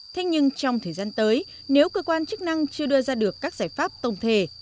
thế nhưng trong thời gian tới nếu cơ quan chức năng chưa đưa ra được các giải pháp tổng thể